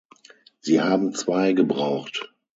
Sie haben zwei gebraucht.